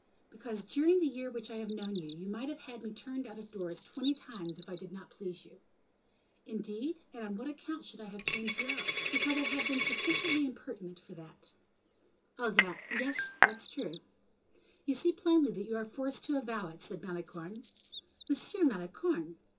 "Because during the year which I have known you, you might have had me turned out of doors twenty times if I did not please you." "Indeed; and on what account should I have had you turned out?" "Because I have been sufficiently impertinent for that." "Oh, that, yes, that's true." "You see plainly that you are forced to avow it," said Malicorne. "Monsieur Malicorne!"